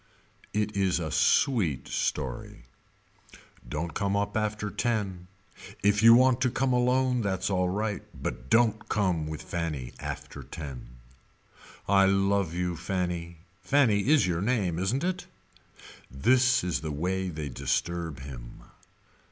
It is a sweet story. Don't come up after ten. If you want to come come alone that's alright but don't come with Fanny after ten. I love you Fanny Fanny is your name isn't it. This is they way they disturb him.